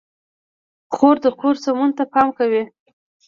خور د کور سمون ته پام کوي.